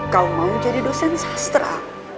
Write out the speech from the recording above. kau mau jadi dosen sastra